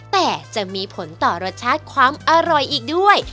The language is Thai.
แต่จะมีผลต่อรสชาติความอร่อยอีกด้วย